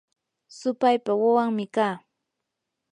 supaypa wawanmi kaa.